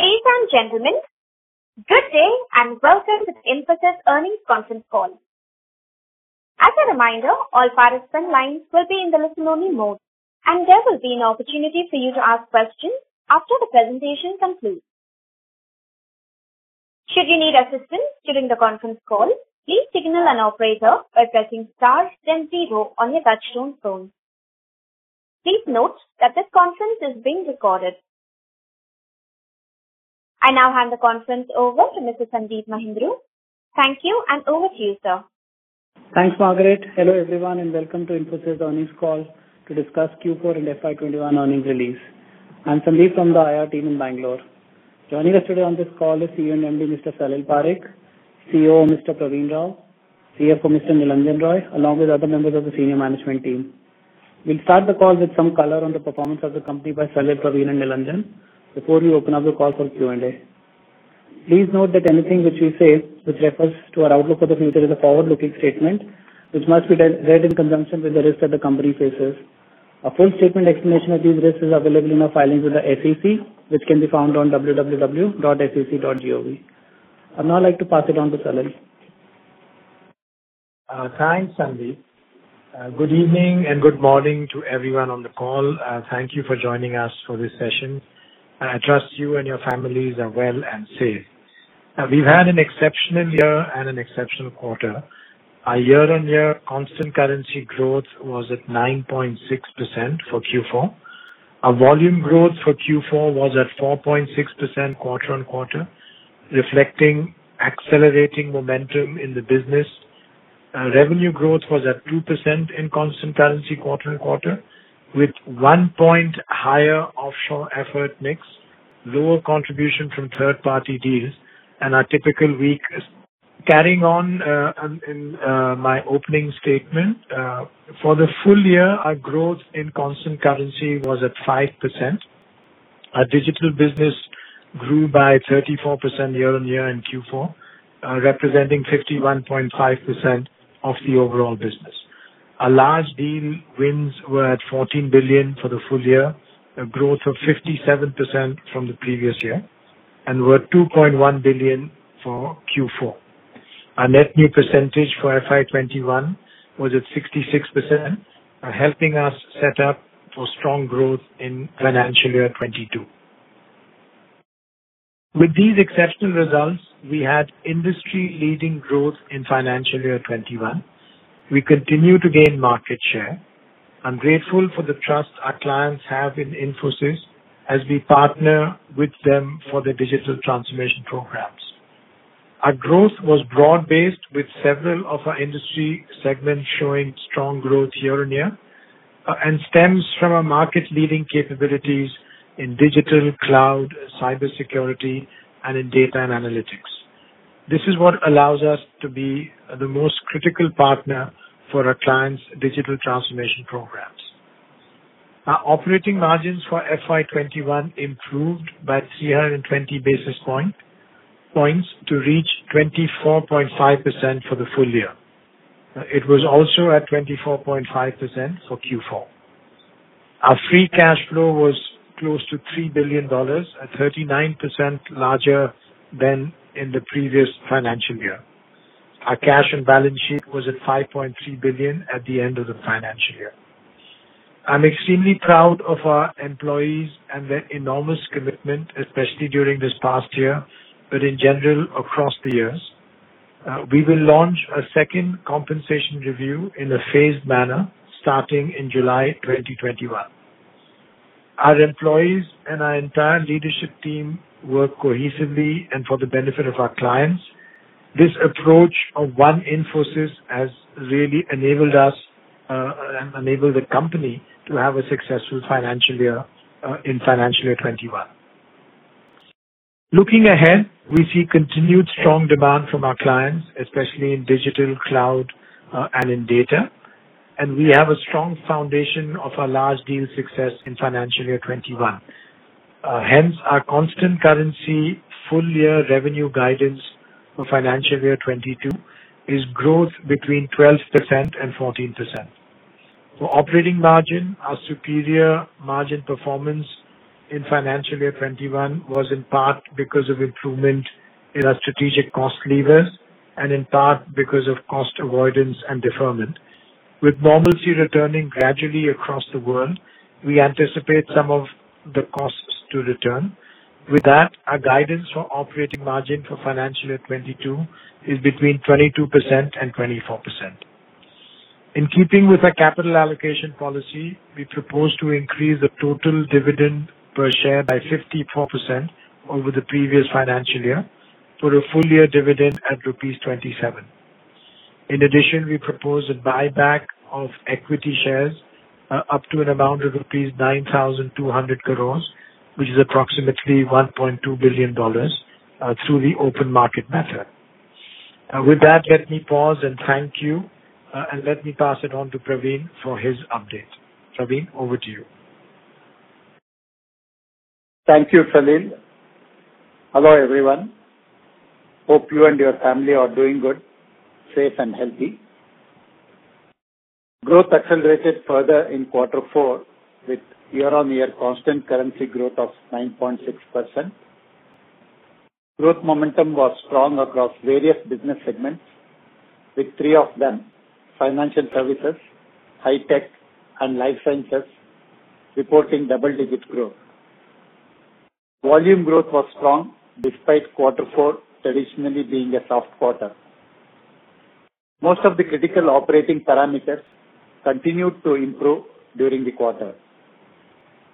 Ladies and gentlemen, good day, and welcome to the Infosys earnings conference call. As a reminder all participants lines would be on the listen-only mode, and there would be an opportunity to you to ask questions after the presentation concludes. Should you need assistance, should you need a conference call, please signal an operator by pressing star then zero on your touchtone phone. Please note that this conference is being recorded. I now hand the conference over to Mr. Sandeep Mahindroo. Thank you, and over to you, sir. Thanks, Margaret. Hello, everyone, welcome to Infosys earnings call to discuss Q4 and FY 2021 earnings release. I'm Sandeep from the IR team in Bangalore. Joining us today on this call is CEO and MD, Mr. Salil Parekh, COO, Mr. Pravin Rao, CFO, Mr. Nilanjan Roy, along with other members of the senior management team. We'll start the call with some color on the performance of the company by Salil, Pravin, and Nilanjan before we open up the call for Q&A. Please note that anything which we say which refers to our outlook for the future is a forward-looking statement which must be read in conjunction with the risks that the company faces. A full statement explanation of these risks is available in our filings with the SEC, which can be found on www.sec.gov. I'd now like to pass it on to Salil. Thanks, Sandeep. Good evening and good morning to everyone on the call. Thank you for joining us for this session. I trust you and your families are well and safe. We've had an exceptional year and an exceptional quarter. Our year-on-year constant currency growth was at 9.6% for Q4. Our volume growth for Q4 was at 4.6% quarter-on-quarter, reflecting accelerating momentum in the business. Revenue growth was at 2% in constant currency quarter-on-quarter, with one point higher offshore effort mix, lower contribution from third-party deals and our typical weak carrying on in my opening statement. For the full year, our growth in constant currency was at 5%. Our digital business grew by 34% year-on-year in Q4, representing 51.5% of the overall business. Our large deal wins were at 14 billion for the full year, a growth of 57% from the previous year, and were 2.1 billion for Q4. Our net new percentage for FY 2021 was at 66%, helping us set up for strong growth in financial year 2022. With these exceptional results, we had industry-leading growth in financial year 2021. We continue to gain market share. I'm grateful for the trust our clients have in Infosys as we partner with them for their digital transformation programs. Our growth was broad-based with several of our industry segments showing strong growth year-over-year, and stems from our market-leading capabilities in digital cloud, cybersecurity, and in data and analytics. This is what allows us to be the most critical partner for our clients' digital transformation programs. Our operating margins for FY 2021 improved by 320 basis points to reach 24.5% for the full year. It was also at 24.5% for Q4. Our free cash flow was close to $3 billion, at 39% larger than in the previous financial year. Our cash and balance sheet was at 5.3 billion at the end of the financial year. I'm extremely proud of our employees and their enormous commitment, especially during this past year, but in general, across the years. We will launch a second compensation review in a phased manner starting in July 2021. Our employees and our entire leadership team work cohesively and for the benefit of our clients. This approach of One Infosys has really enabled us and enabled the company to have a successful financial year in financial year 2021. Looking ahead, we see continued strong demand from our clients, especially in digital, cloud, and in data, and we have a strong foundation of our large deal success in financial year 21. Hence, our constant currency full year revenue guidance for financial year 22 is growth between 12% and 14%. For operating margin, our superior margin performance in financial year 21 was in part because of improvement in our strategic cost levers and in part because of cost avoidance and deferment. With normalcy returning gradually across the world, we anticipate some of the costs to return. With that, our guidance for operating margin for financial year 22 is between 22% and 24%. In keeping with our capital allocation policy, we propose to increase the total dividend per share by 54% over the previous financial year for a full year dividend at rupees 27. In addition, we propose a buyback of equity shares up to an amount of rupees 9,200 crores, which is approximately $1.2 billion, through the open market method. With that, let me pause and thank you, and let me pass it on to Pravin for his update. Pravin, over to you. Thank you, Salil. Hello, everyone. Hope you and your family are doing good, safe and healthy. Growth accelerated further in quarter four with year-on-year constant currency growth of 9.6%. Growth momentum was strong across various business segments, with three of them, Financial Services, High Tech and Life Sciences, reporting double-digit growth. Volume growth was strong despite quarter four traditionally being a soft quarter. Most of the critical operating parameters continued to improve during the quarter.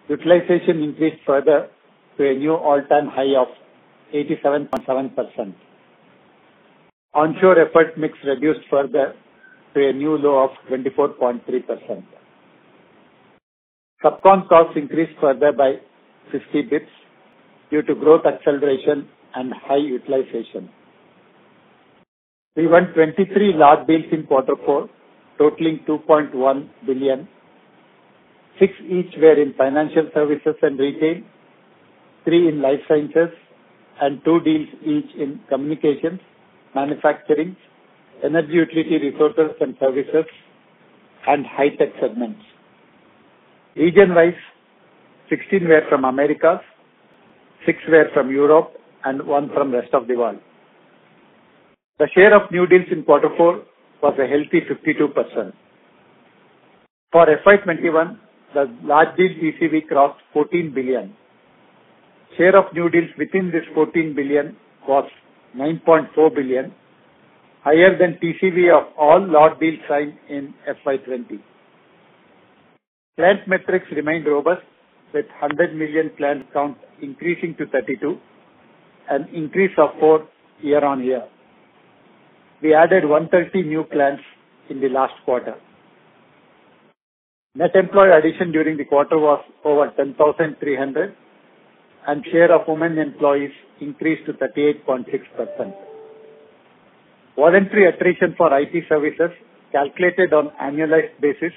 Utilization increased further to a new all-time high of 87.7%. Onshore effort mix reduced further to a new low of 24.3%. Subcon costs increased further by 50 basis points due to growth acceleration and high utilization. We won 23 large deals in quarter four, totaling $2.1 billion. Six each were in Financial Services and Retail, three in Life Sciences, and two deals each in Communications, Manufacturing, Energy, Utility, Resources and Services, and High Tech segments. Region-wise, 16 were from Americas, six were from Europe, and one from rest of the world. The share of new deals in quarter four was a healthy 52%. For FY 2021, the large deal TCV crossed $14 billion. Share of new deals within this $14 billion was $9.4 billion, higher than TCV of all large deals signed in FY 2020. Client metrics remained robust, with 100 million client count increasing to 32, an increase of four year-on-year. We added 130 new clients in the last quarter. Net employee addition during the quarter was over 10,300, and share of women employees increased to 38.6%. Voluntary attrition for IT services, calculated on annualized basis,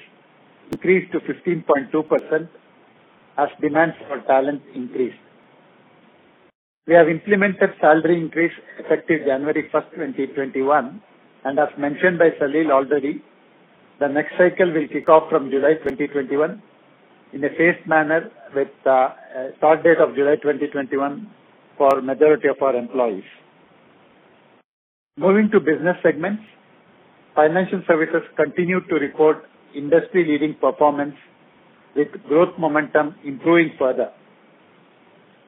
increased to 15.2% as demands for talent increased. We have implemented salary increase effective January 1st, 2021, as mentioned by Salil already, the next cycle will kick off from July 2021 in a phased manner with the start date of July 2021 for majority of our employees. Moving to business segments. Financial Services continued to record industry-leading performance, with growth momentum improving further.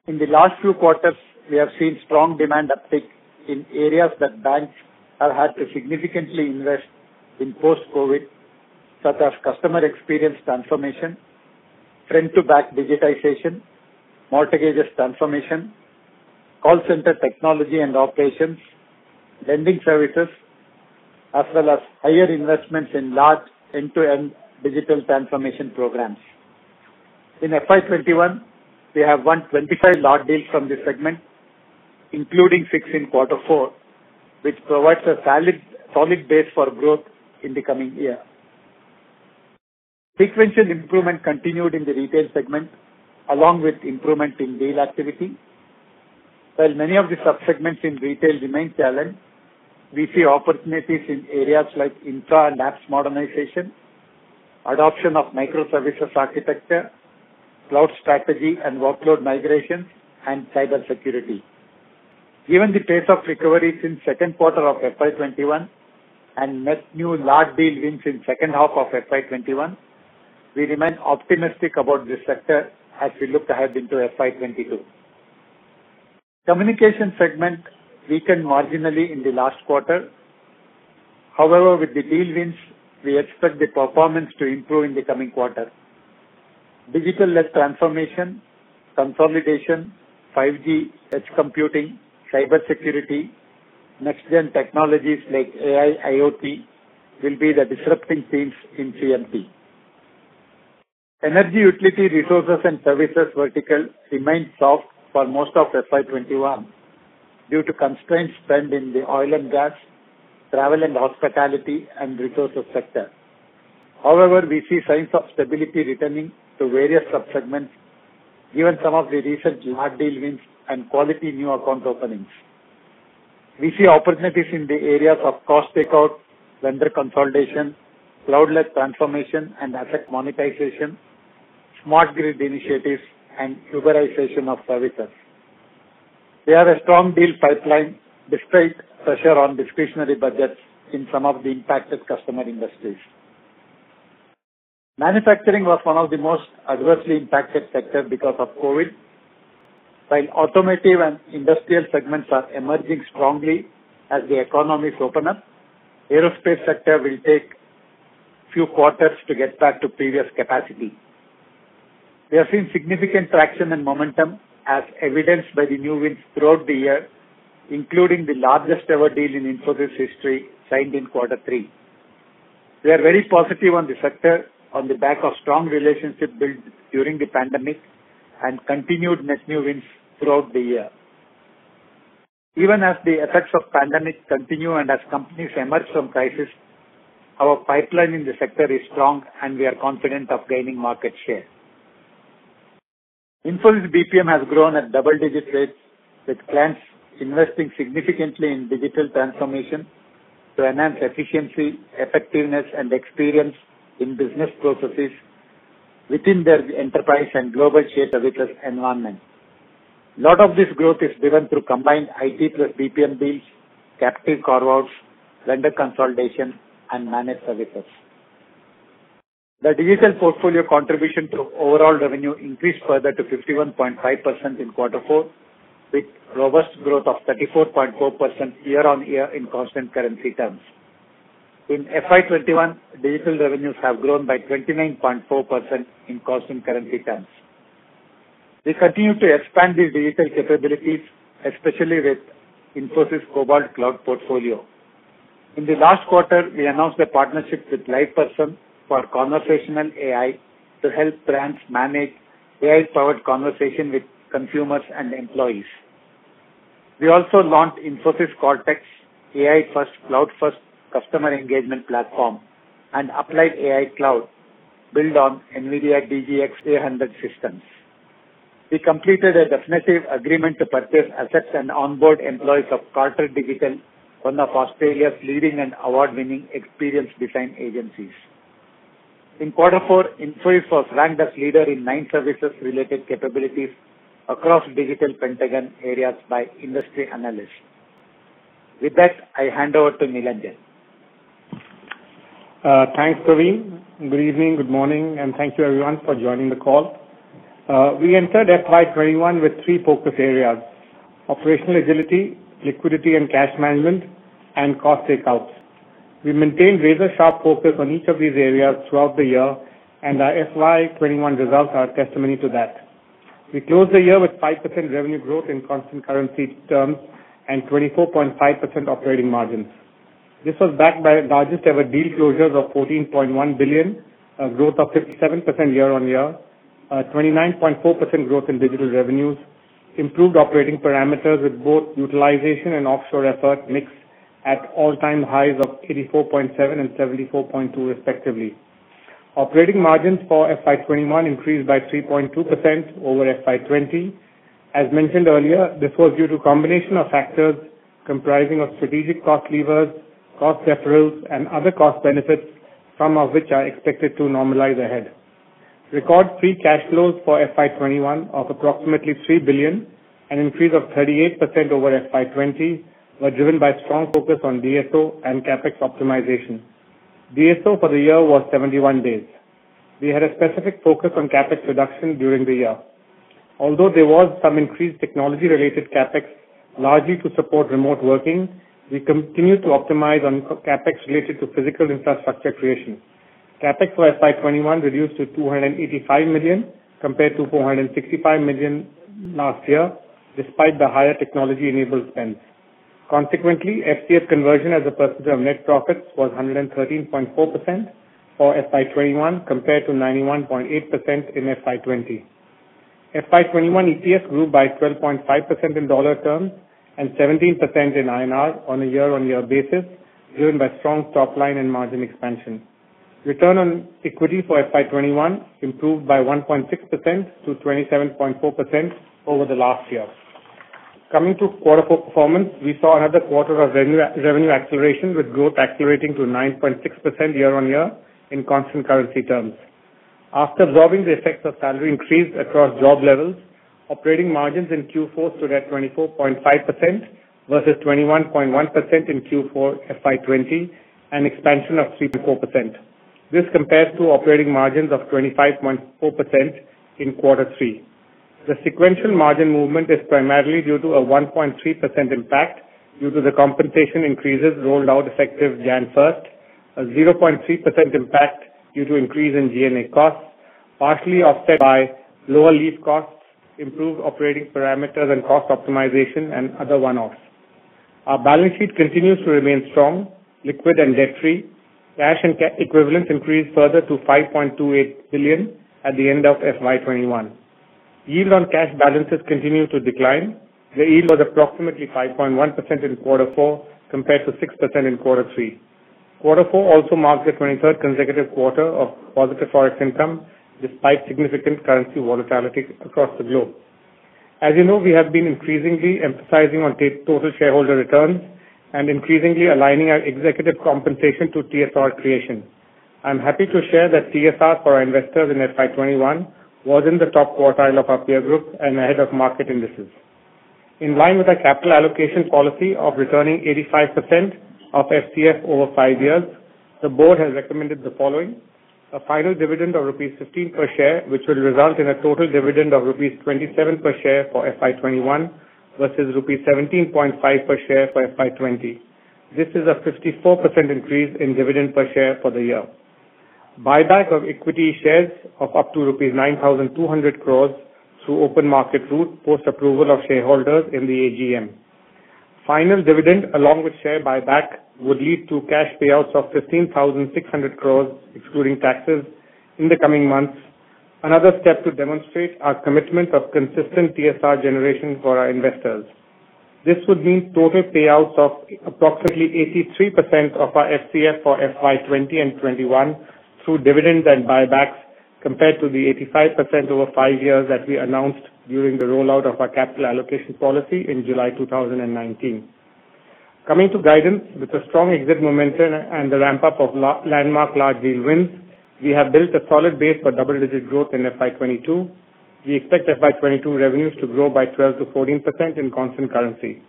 In the last few quarters, we have seen strong demand uptick in areas that banks have had to significantly invest in post-COVID, such as customer experience transformation, front-to-back digitization, mortgages transformation, call center technology and operations, lending services, as well as higher investments in large end-to-end digital transformation programs. In FY 2021, we have won 25 large deals from this segment, including six in quarter four, which provides a solid base for growth in the coming year. Sequential improvement continued in the Retail segment, along with improvement in deal activity. While many of the sub-segments in retail remain challenged, we see opportunities in areas like infra and apps modernization, adoption of microservices architecture, cloud strategy and workload migrations, and cybersecurity. Given the pace of recoveries in second quarter of FY 2021 and net new large deal wins in H2 of FY 2021, we remain optimistic about this sector as we look ahead into FY 2022. Communication segment weakened marginally in the last quarter. However, with the deal wins, we expect the performance to improve in the coming quarter. Digital-led transformation, consolidation, 5G, edge computing, cybersecurity, next-gen technologies like AI, IoT, will be the disrupting themes in CMP. Energy utility resources and services vertical remained soft for most of FY 2021 due to constrained spend in the oil and gas, travel and hospitality, and resources sector. However, we see signs of stability returning to various sub-segments given some of the recent large deal wins and quality new account openings. We see opportunities in the areas of cost takeout, vendor consolidation, cloud-led transformation and asset monetization, smart grid initiatives, and Uberization of services. We have a strong deal pipeline despite pressure on discretionary budgets in some of the impacted customer industries. Manufacturing was one of the most adversely impacted sector because of COVID. While automotive and industrial segments are emerging strongly as the economies open up, aerospace sector will take few quarters to get back to previous capacity. We are seeing significant traction and momentum as evidenced by the new wins throughout the year, including the largest-ever deal in Infosys history signed in quarter three. We are very positive on the sector on the back of strong relationship built during the pandemic and continued net new wins throughout the year. Even as the effects of pandemic continue and as companies emerge from crisis, our pipeline in the sector is strong and we are confident of gaining market share. Infosys BPM has grown at double-digit rates with clients investing significantly in digital transformation to enhance efficiency, effectiveness and experience in business processes within their enterprise and global shared services environment. A lot of this growth is driven through combined IT plus BPM deals, captive carve-outs, vendor consolidation and managed services. The digital portfolio contribution to overall revenue increased further to 51.5% in quarter four, with robust growth of 34.4% year-on-year in constant currency terms. In FY 2021, digital revenues have grown by 29.4% in constant currency terms. We continue to expand these digital capabilities, especially with Infosys Cobalt cloud portfolio. In the last quarter, we announced a partnership with LivePerson for conversational AI to help brands manage AI-powered conversation with consumers and employees. We also launched Infosys Cortex AI first, cloud-first customer engagement platform and Applied AI Cloud built on NVIDIA DGX A100 systems. We completed a definitive agreement to purchase assets and onboard employees of Carter Digital, one of Australia's leading and award-winning experience design agencies. In quarter four, Infosys was ranked as leader in nine services-related capabilities across Digital Pentagon areas by industry analysts. With that, I hand over to Nilanjan. Thanks, Pravin. Good evening, good morning, and thank you everyone for joining the call. We entered FY 2021 with three focus areas, operational agility, liquidity and cash management, and cost takeouts. We maintained razor-sharp focus on each of these areas throughout the year, and our FY 2021 results are a testimony to that. We closed the year with 5% revenue growth in constant currency terms and 24.5% operating margins. This was backed by our largest ever deal closures of 14.1 billion, a growth of 57% year-on-year, 29.4% growth in digital revenues, improved operating parameters with both utilization and offshore effort mix at all-time highs of 84.7% and 74.2% respectively. Operating margins for FY 2021 increased by 3.2% over FY 2020. As mentioned earlier, this was due to combination of factors comprising of strategic cost levers, cost leverage and other cost benefits, some of which are expected to normalize ahead. Record free cash flows for FY 2021 of approximately $3 billion, an increase of 38% over FY 2020, were driven by strong focus on DSO and CapEx optimization. DSO for the year was 71 days. We had a specific focus on CapEx reduction during the year. Although there was some increased technology-related CapEx, largely to support remote working, we continue to optimize on CapEx related to physical infrastructure creation. CapEx for FY 2021 reduced to 285 million compared to 465 million last year, despite the higher technology-enabled spends. Consequently, FCF conversion as a percentage of net profits was 113.4% for FY 2021 compared to 91.8% in FY 2020. FY 2021 EPS grew by 12.5% in dollar terms and 17% in INR on a year-on-year basis, driven by strong top line and margin expansion. Return on equity for FY 2021 improved by 1.6% to 27.4% over the last year. Coming to quarter four performance, we saw another quarter of revenue acceleration with growth accelerating to 9.6% year-on-year in constant currency terms. After absorbing the effects of salary increase across job levels, operating margins in Q4 stood at 24.5% versus 21.1% in Q4 FY 2020, an expansion of 3.4%. This compares to operating margins of 25.4% in quarter three. The sequential margin movement is primarily due to a 1.3% impact due to the compensation increases rolled out effective January 1st. A 0.3% impact due to increase in G&A costs, partially offset by lower lease costs, improved operating parameters and cost optimization and other one-offs. Our balance sheet continues to remain strong, liquid and debt-free. Cash and cash equivalents increased further to 5.28 billion at the end of FY 2021. Yield on cash balances continued to decline. The yield was approximately 5.1% in quarter four compared to 6% in quarter three. Quarter four also marked the 23rd consecutive quarter of positive Forex income, despite significant currency volatility across the globe. As you know, we have been increasingly emphasizing on total shareholder returns and increasingly aligning our executive compensation to TSR creation. I'm happy to share that TSR for our investors in FY 2021 was in the top quartile of our peer group and ahead of market indices. In line with our capital allocation policy of returning 85% of FCF over five years, the board has recommended the following. A final dividend of rupees 15 per share, which will result in a total dividend of rupees 27 per share for FY 2021 versus rupees 17.5 per share for FY 2020. This is a 54% increase in dividend per share for the year. Buyback of equity shares of up to rupees 9,200 crores through open market route post approval of shareholders in the AGM. Final dividend along with share buyback would lead to cash payouts of 15,600 crore excluding taxes in the coming months. Another step to demonstrate our commitment of consistent TSR generation for our investors. This would mean total payouts of approximately 83% of our FCF for FY 2020 and 2021 through dividends and buybacks, compared to the 85% over five years that we announced during the rollout of our capital allocation policy in July 2019. Coming to guidance. With the strong exit momentum and the ramp-up of landmark large deal wins, we have built a solid base for double-digit growth in FY 2022. We expect FY 2022 revenues to grow by 12%-14% in constant currency.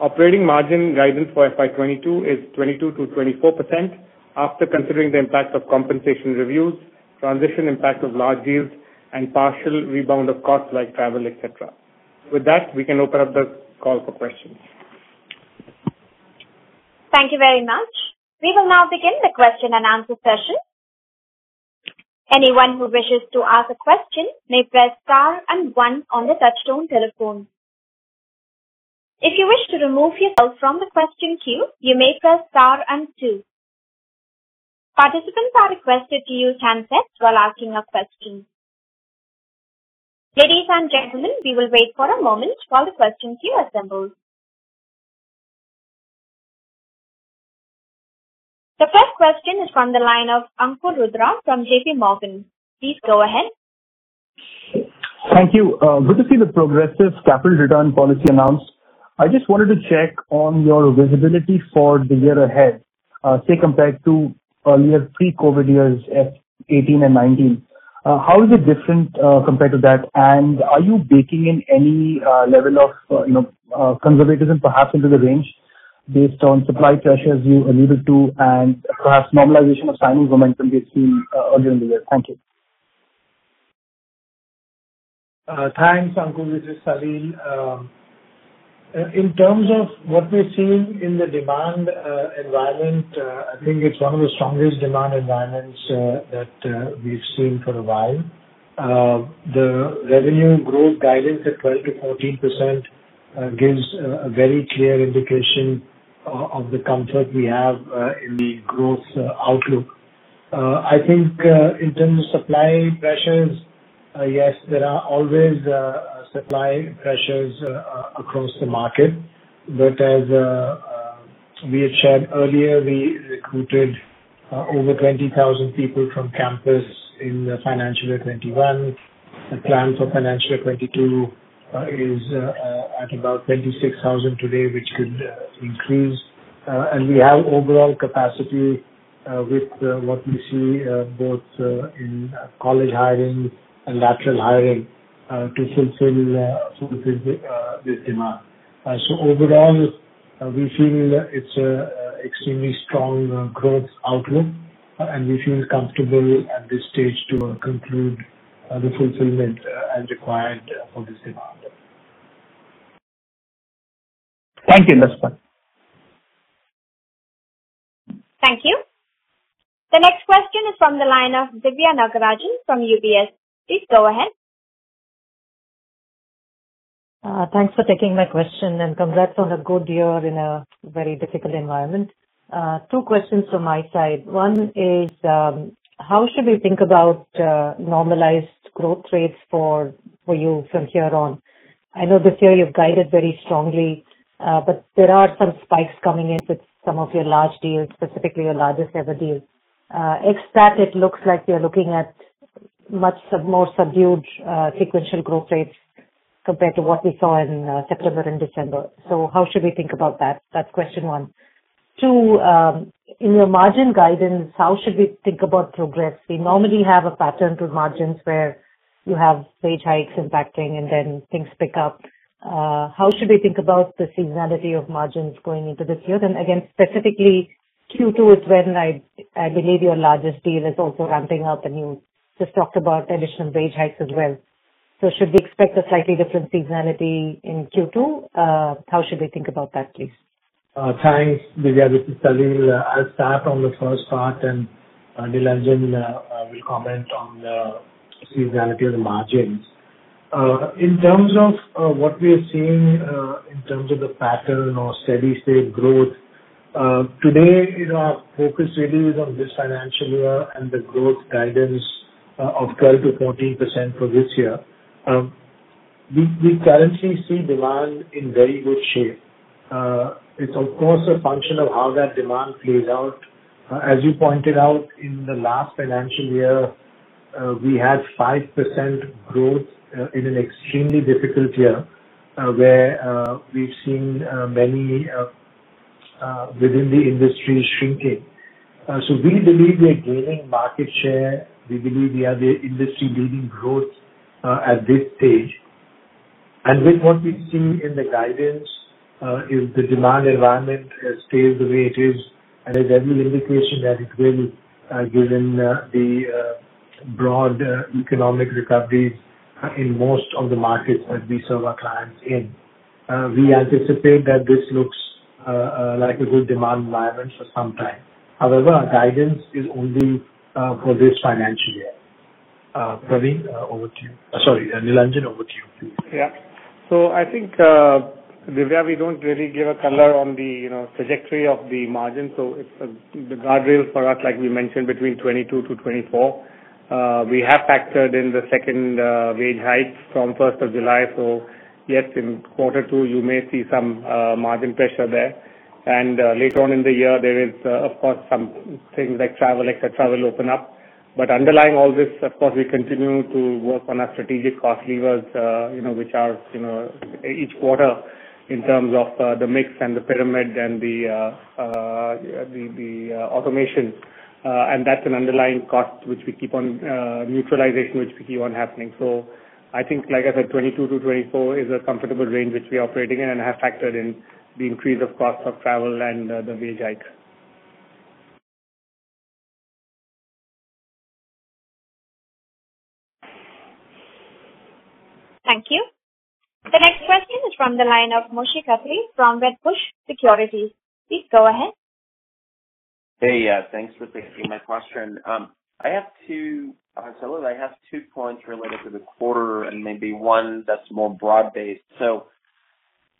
Operating margin guidance for FY 2022 is 22%-24% after considering the impact of compensation reviews, transition impact of large deals, and partial rebound of costs like travel, et cetera. With that, we can open up the call for questions. Thank you very much. We will now begin the question and answer session. Anyone who wishes to ask a question may press star and one on the touchtone telephone. If you wish to remove yourself from the question queue, you may press star and two. Participants are requested to use handsets while asking a question. Ladies and gentlemen, we will wait for a moment while the questions queue assembles. The first question is from the line of Ankur Rudra from JPMorgan. Please go ahead. Thank you. Good to see the progressive capital return policy announced. I just wanted to check on your visibility for the year ahead, say, compared to earlier pre-COVID years, FY 18 and 19. How is it different compared to that? Are you baking in any level of conservatism, perhaps into the range based on supply pressures you alluded to and perhaps normalization of signing momentum we have seen earlier in the year? Thank you. Thanks, Ankur. This is Salil. In terms of what we're seeing in the demand environment, it's one of the strongest demand environments that we've seen for a while. The revenue growth guidance at 12%-14% gives a very clear indication of the comfort we have in the growth outlook. In terms of supply pressures, yes, there are always supply pressures across the market. As we had shared earlier, we recruited over 20,000 people from campus in the FY 2021. The plan for FY 2022 is at about 26,000 today, which could increase. We have overall capacity with what we see both in college hiring and lateral hiring to fulfill this demand. Overall, we feel it's extremely strong growth outlook, and we feel comfortable at this stage to conclude the fulfillment as required for this demand. Thank you. That's fine. Thank you. The next question is from the line of Diviya Nagarajan from UBS. Please go ahead. Thanks for taking my question and congrats on a good year in a very difficult environment. Two questions from my side. One is, how should we think about normalized growth rates for you from here on? I know this year you've guided very strongly, but there are some spikes coming in with some of your large deals, specifically your largest ever deal. Except it looks like you're looking at much more subdued sequential growth rates compared to what we saw in September and December. How should we think about that? That's question one. Two, in your margin guidance, how should we think about progress? We normally have a pattern to margins where you have wage hikes impacting and then things pick up. How should we think about the seasonality of margins going into this year? Again, specifically Q2 is when I believe your largest deal is also ramping up. You just talked about additional wage hikes as well. Should we expect a slightly different seasonality in Q2? How should we think about that, please? Thanks, Diviya. This is Salil. I'll start on the first part and Nilanjan will comment on the seasonality of the margins. In terms of what we are seeing in terms of the pattern or steady state growth, today our focus really is on this financial year and the growth guidance of 12%-14% for this year. We currently see demand in very good shape. It's of course a function of how that demand plays out. As you pointed out, in the last financial year, we had 5% growth in an extremely difficult year where we've seen many within the industry shrinking. We believe we are gaining market share. We believe we are the industry leading growth at this stage. With what we see in the guidance, if the demand environment stays the way it is, and there's every indication that it will, given the broad economic recoveries in most of the markets that we serve our clients in, we anticipate that this looks like a good demand environment for some time. Our guidance is only for this financial year. Pravin, over to you. Sorry, Nilanjan, over to you. I think, Diviya, we don't really give a color on the trajectory of the margin. It's the guardrail for us, like we mentioned, between 22-24. We have factored in the second wage hike from 1st of July, so yes, in quarter two, you may see some margin pressure there. Later on in the year, there is of course, some things like travel, et cetera, will open up. Underlying all this, of course, we continue to work on our strategic cost levers which are each quarter in terms of the mix and the pyramid and the automation. That's an underlying cost which we keep on neutralization, which we keep on happening. I think, like I said, 22-24 is a comfortable range which we operating in and have factored in the increase of cost of travel and the wage hike. Thank you. The next question is from the line of Moshe Katri from Wedbush Securities. Please go ahead. Hey. Thanks for taking my question. Salil, I have two points related to the quarter and maybe one that's more broad based.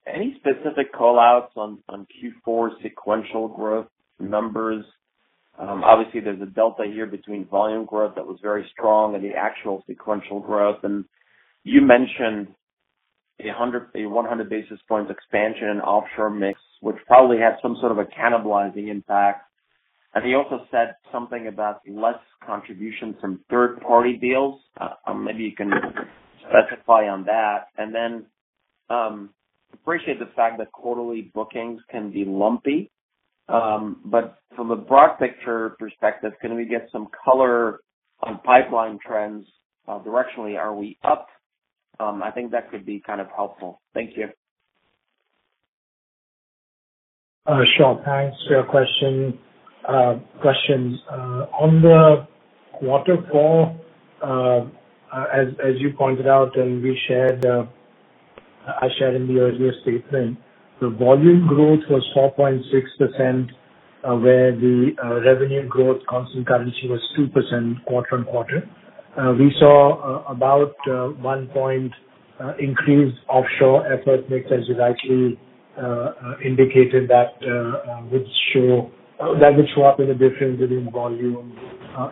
Any specific call-outs on Q4 sequential growth numbers? Obviously, there's a delta here between volume growth that was very strong and the actual sequential growth. You mentioned a 100 basis points expansion in offshore mix, which probably has some sort of a cannibalizing impact. He also said something about less contribution from third-party deals. Maybe you can specify on that. I appreciate the fact that quarterly bookings can be lumpy. From a broad picture perspective, can we get some color on pipeline trends directionally? Are we up? I think that could be kind of helpful. Thank you. Sure. Thanks for your questions. On the quarter four, as you pointed out and I shared in the earlier statement, the volume growth was 4.6%, where the revenue growth constant currency was 2% quarter-on-quarter. We saw about one point increase offshore effort mix, as you rightly indicated, that would show up in the difference between volume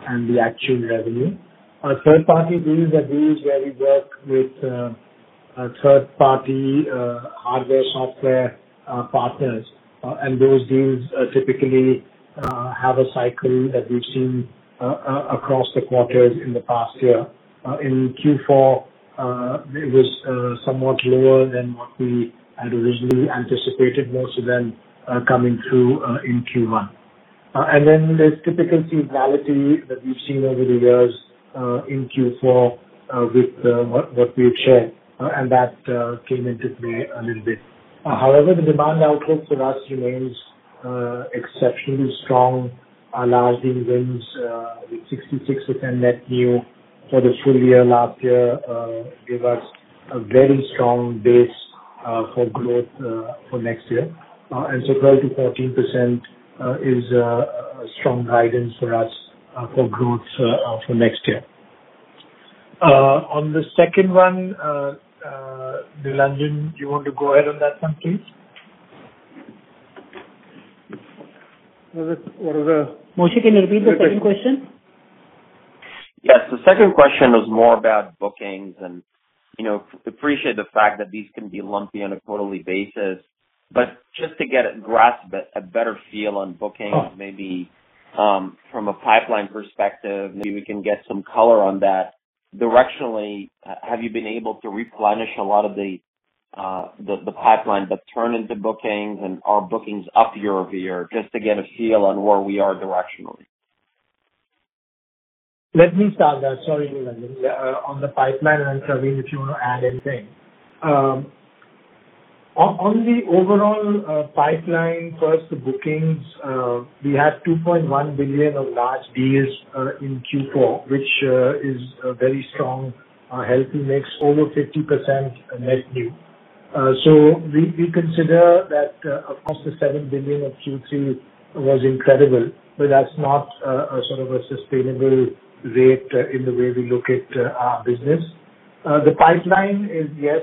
and the actual revenue. Our third-party deals are deals where we work with third-party hardware, software partners. Those deals typically have a cycle that we've seen across the quarters in the past year. In Q4, it was somewhat lower than what we had originally anticipated, most of them coming through in Q1. Then there's typical seasonality that we've seen over the years, in Q4, with what we've shared. That came into play a little bit. However, the demand outlook for us remains exceptionally strong. Our large deal wins with 66% net new for the full year last year, gave us a very strong base for growth for next year. 12%-14% is a strong guidance for us for growth for next year. On the second one, Nilanjan, do you want to go ahead on that one, please? What was the- Moshe, can you repeat the second question? Yes. The second question was more about bookings and appreciate the fact that these can be lumpy on a quarterly basis, but just to get a grasp, a better feel on bookings maybe from a pipeline perspective, maybe we can get some color on that. Directionally, have you been able to replenish a lot of the pipeline that turn into bookings, and are bookings up year-over-year? Just to get a feel on where we are directionally. Let me start that. Sorry, Nilanjan. On the pipeline, then Pravin, if you want to add anything. On the overall pipeline, first the bookings, we had 2.1 billion of large deals in Q4, which is a very strong, healthy mix, over 50% net new. We consider that, of course, the 7 billion of Q3 was incredible, but that's not a sort of a sustainable rate in the way we look at our business. The pipeline is, yes,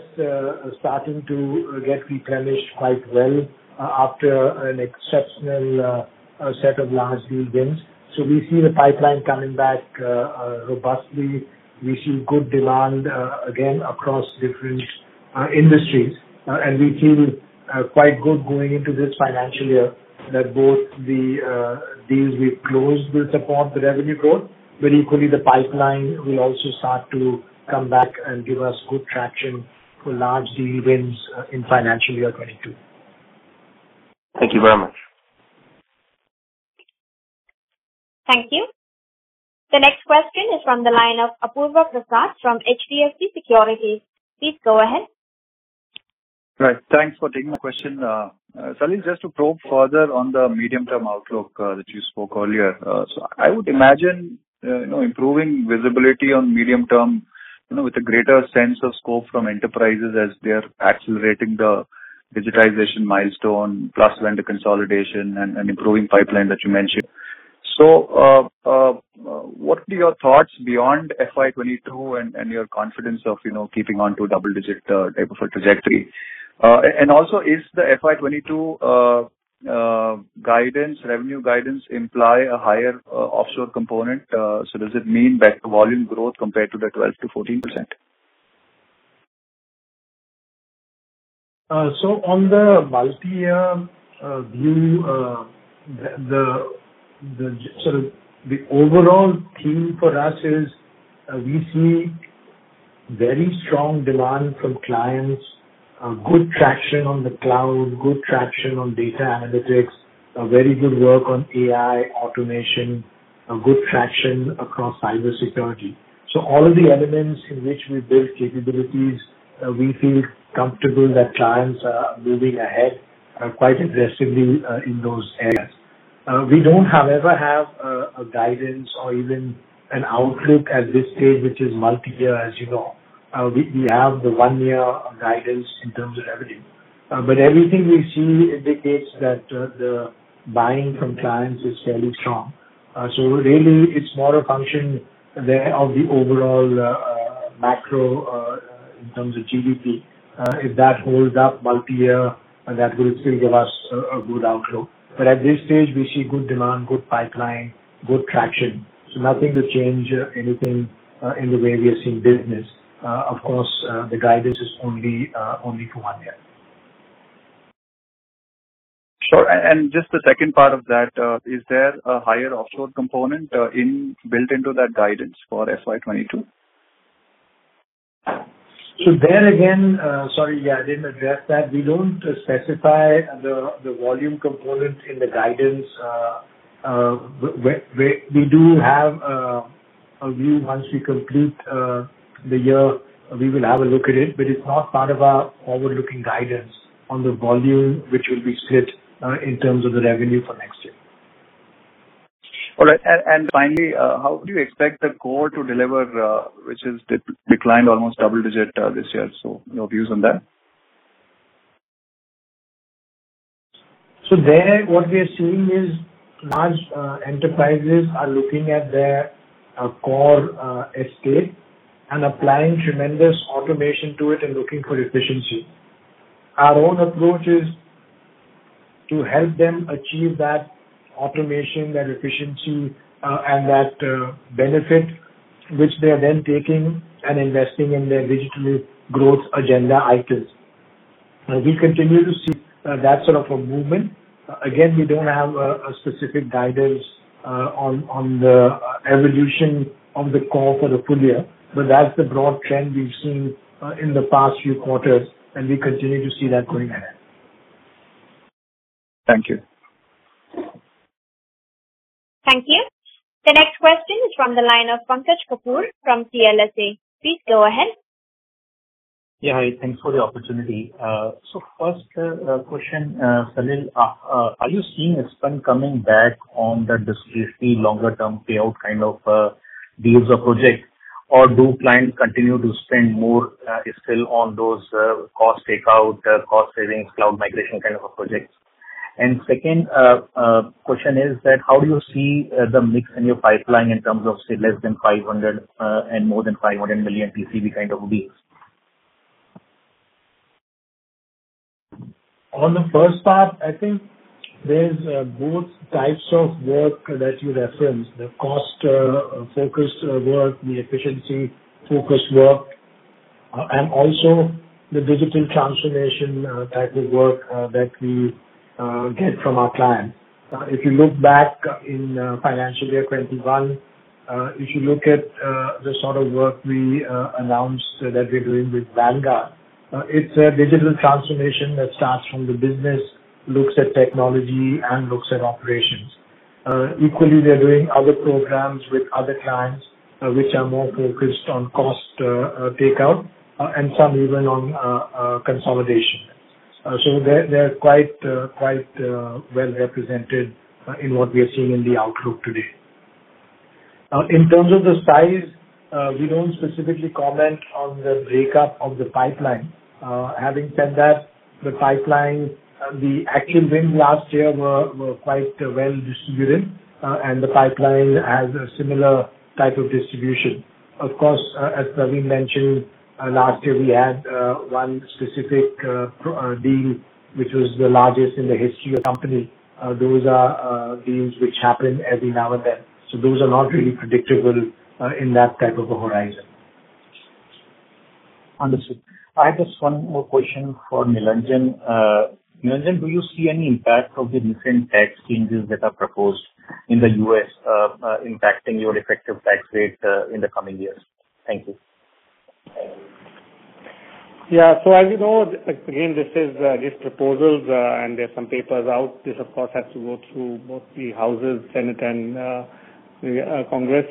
starting to get replenished quite well after an exceptional set of large deal wins. We see the pipeline coming back robustly. We see good demand again across different industries. We feel quite good going into this financial year that both the deals we've closed will support the revenue growth, but equally, the pipeline will also start to come back and give us good traction for large deal wins in financial year 2022. Thank you very much. Thank you. The next question is from the line of Apurva Prasad from HDFC Securities. Please go ahead. Right. Thanks for taking my question. Salil, just to probe further on the medium-term outlook that you spoke earlier. I would imagine improving visibility on medium-term, with a greater sense of scope from enterprises as they are accelerating the digitization milestone plus vendor consolidation and improving pipeline that you mentioned. What are your thoughts beyond FY 2022 and your confidence of keeping on to a double-digit type of a trajectory? Also, is the FY 2022 revenue guidance imply a higher offshore component? Does it mean better volume growth compared to the 12%-14%? On the multi-year view, the overall theme for us is we see very strong demand from clients, good traction on the cloud, good traction on data analytics, very good work on AI automation, good traction across cybersecurity. All of the elements in which we build capabilities, we feel comfortable that clients are moving ahead quite aggressively in those areas. We don't, however, have a guidance or even an outlook at this stage, which is multi-year, as you know. We have the one-year guidance in terms of revenue. Everything we see indicates that the buying from clients is fairly strong. Really it's more a function there of the overall macro in terms of GDP. If that holds up multi-year, that will still give us a good outlook. At this stage, we see good demand, good pipeline, good traction. Nothing to change anything in the way we are seeing business. Of course, the guidance is only for one year. Sure. Just the second part of that, is there a higher offshore component built into that guidance for FY 2022? There again, sorry, I didn't address that. We don't specify the volume component in the guidance. We do have a view once we complete the year, we will have a look at it, but it's not part of our overall guidance on the volume, which will be split in terms of the revenue for next year. All right. Finally, how do you expect the core to deliver which has declined almost double digit this year? Your views on that. There, what we are seeing is large enterprises are looking at their core estate and applying tremendous automation to it and looking for efficiency. Our own approach is to help them achieve that automation, that efficiency, and that benefit, which they're then taking and investing in their digital growth agenda items. We continue to see that sort of a movement. Again, we don't have a specific guidance on the evolution of the core for the full year, but that's the broad trend we've seen in the past few quarters, and we continue to see that going ahead. Thank you. Thank you. The next question is from the line of Pankaj Kapoor from CLSA. Please go ahead. Yeah. Hi, thanks for the opportunity. First question, Salil. Are you seeing spend coming back on the discrete longer-term payout kind of deals or projects, or do clients continue to spend more still on those cost takeout, cost savings, cloud migration kind of projects? Second question is that how do you see the mix in your pipeline in terms of, say, less than 500 million TCV and more than 500 million TCV kind of deals? On the first part, I think there's both types of work that you referenced, the cost-focused work, the efficiency-focused work, and also the digital transformation type of work that we get from our clients. If you look back in financial year 2021, if you look at the sort of work we announced that we're doing with Vanguard, it's a digital transformation that starts from the business, looks at technology, and looks at operations. Equally, we are doing other programs with other clients which are more focused on cost takeout and some even on consolidation. They're quite well-represented in what we are seeing in the outlook today. In terms of the size, we don't specifically comment on the breakup of the pipeline. Having said that, the pipeline, the actual wins last year were quite well distributed, and the pipeline has a similar type of distribution. Of course, as Pravin mentioned, last year we had one specific deal, which was the largest in the history of the company. Those are deals which happen every now and then, so those are not really predictable in that type of a horizon. Understood. I have just one more question for Nilanjan. Nilanjan, do you see any impact of the recent tax changes that are proposed in the U.S. impacting your effective tax rate in the coming years? Thank you. Yeah. As you know, again, this is just proposals, and there's some papers out. This, of course, has to go through both the Houses, Senate, and Congress.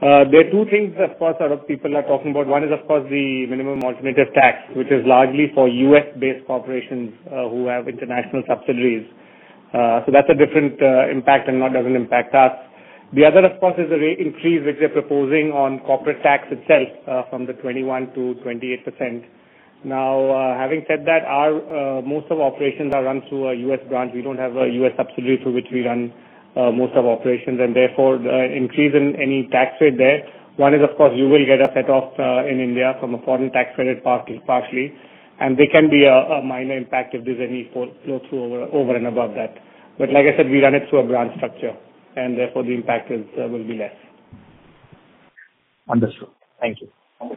There are two things, of course, a lot of people are talking about. One is, of course, the minimum alternative tax, which is largely for U.S.-based corporations who have international subsidiaries. That's a different impact and doesn't impact us. The other, of course, is the rate increase which they're proposing on corporate tax itself from the 21% to 28%. Having said that, most of our operations are run through a U.S. branch. We don't have a U.S. subsidiary through which we run most of our operations, therefore, increase in any tax rate there. One is, of course, you will get a set-off in India from a foreign tax credit partially. There can be a minor impact if there's any flow-through over and above that. Like I said, we run it through a grant structure. Therefore, the impact will be less. Understood. Thank you. Okay.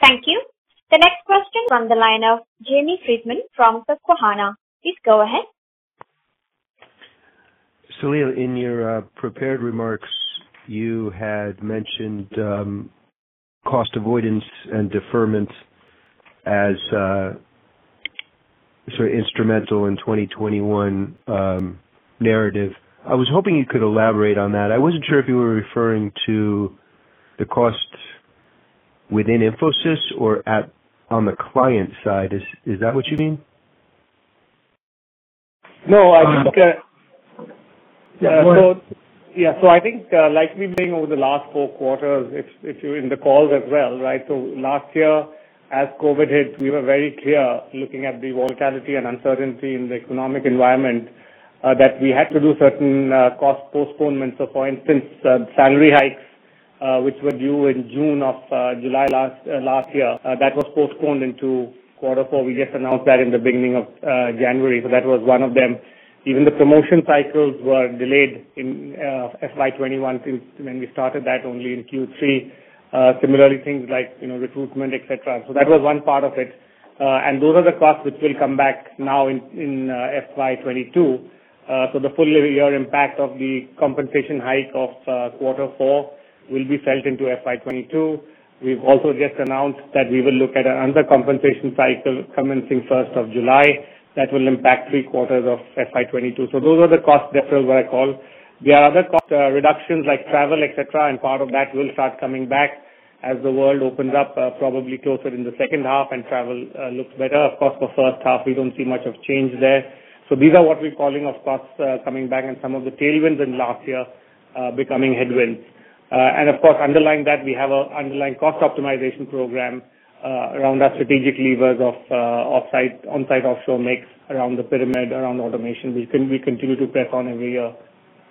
Thank you. The next question is on the line of Jamie Friedman from Susquehanna. Please go ahead. Salil, in your prepared remarks, you had mentioned cost avoidance and deferment as sort of instrumental in 2021 narrative. I was hoping you could elaborate on that. I wasn't sure if you were referring to the cost within Infosys or on the client side. Is that what you mean? No. Yeah. I think, like we've been over the last four quarters, if you're in the calls as well, right? Last year, as COVID hit, we were very clear looking at the volatility and uncertainty in the economic environment, that we had to do certain cost postponements. For instance, salary hikes, which were due in June of July last year, that was postponed into quarter four. We just announced that in the beginning of January. That was one of them. Even the promotion cycles were delayed in FY 2021, when we started that only in Q3. Similarly, things like recruitment, et cetera. That was one part of it. And those are the costs which will come back now in FY 2022. The full year impact of the compensation hike of quarter four will be felt into FY 2022. We've also just announced that we will look at another compensation cycle commencing 1st of July. That will impact three quarters of FY 2022. Those are the cost deferrals that I call. There are other cost reductions like travel, et cetera, and part of that will start coming back as the world opens up, probably closer in the second half and travel looks better. Of course, for the first half, we don't see much of a change there. These are what we're calling costs coming back and some of the tailwinds in last year becoming headwinds. Of course, underlying that, we have an underlying cost optimization program around our strategic levers of on-site, offshore mix, around the pyramid, around automation. We continue to press on every year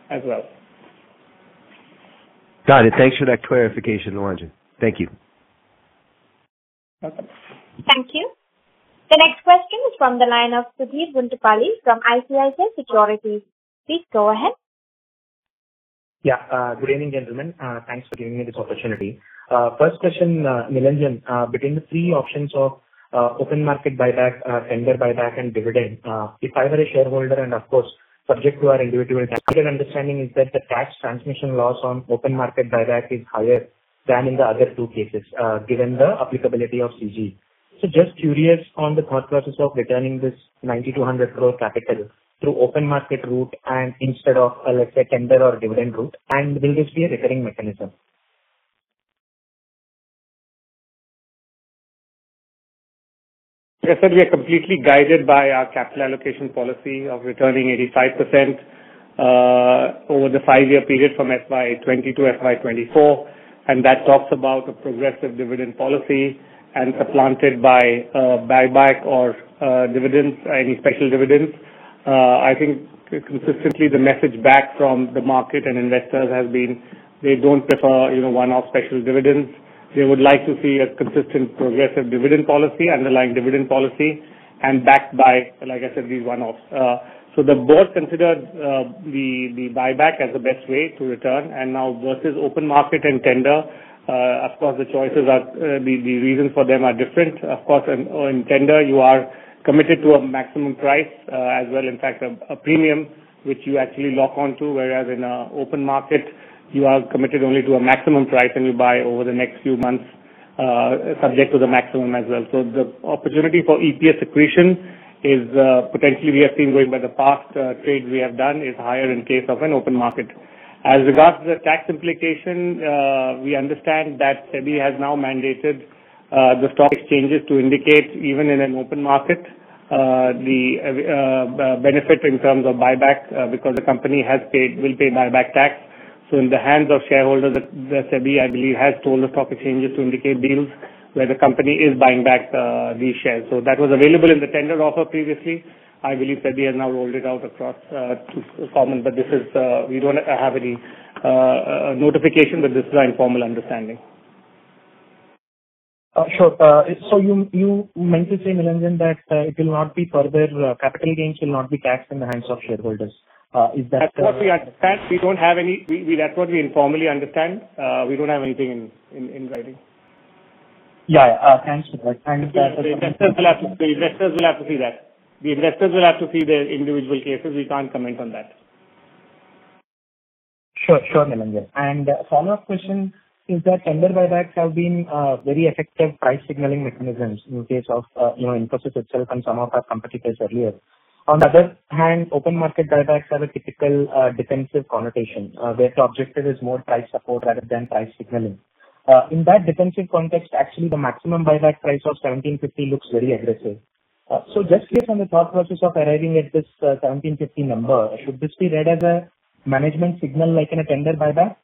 as well. Got it. Thanks for that clarification, Nilanjan. Thank you. Welcome. Thank you. The next question is from the line of Sudheer Guntupalli from ICICI Securities. Please go ahead. Good evening, gentlemen. Thanks for giving me this opportunity. First question, Nilanjan. Between the three options of open market buyback, tender buyback, and dividend, if I were a shareholder and of course, subject to our individual tax understanding is that the tax transmission loss on open market buyback is higher than in the other two cases, given the applicability of CG. Just curious on the thought process of returning this 90 crore-100 crore capital through open market route and instead of, let's say, tender or dividend route. Will this be a recurring mechanism? Like I said, we are completely guided by our capital allocation policy of returning 85% over the five-year period from FY 2022-FY 2024, and that talks about a progressive dividend policy and supplanted by buyback or dividends, any special dividends. I think consistently the message back from the market and investors has been, they don't prefer one-off special dividends. They would like to see a consistent progressive dividend policy, underlying dividend policy, and backed by, like I said, these one-offs. The board considered the buyback as the best way to return, and now versus open market and tender. Of course, the reasons for them are different. Of course, in tender, you are committed to a maximum price, as well, in fact, a premium which you actually lock on to, whereas in an open market, you are committed only to a maximum price, and you buy over the next few months, subject to the maximum as well. The opportunity for EPS accretion is, potentially, we are seeing going by the past trades we have done, is higher in case of an open market. As regards to the tax implication, we understand that SEBI has now mandated the stock exchanges to indicate, even in an open market, the benefit in terms of buyback because the company will pay buyback tax. In the hands of shareholders, the SEBI, I believe, has told the stock exchanges to indicate deals where the company is buying back these shares. That was available in the tender offer previously. I believe SEBI has now rolled it out across common, but we don't have any notification, but this is our informal understanding. Sure. You meant to say, Nilanjan, that capital gains will not be taxed in the hands of shareholders. Is that correct? That's what we informally understand. We don't have anything in writing. Yeah. Thanks for that. The investors will have to see that. The investors will have to see their individual cases. We can't comment on that. Sure, Nilanjan. A follow-up question is that tender buybacks have been very effective price-signaling mechanisms in case of Infosys itself and some of our competitors earlier. On the other hand, open market buybacks have a typical defensive connotation, where the objective is more price support rather than price signaling. In that defensive context, actually, the maximum buyback price of 1,750 looks very aggressive. Just clear from the thought process of arriving at this 1,750 number, should this be read as a management signal like in a tender buyback?